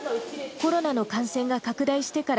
コロナの感染が拡大してから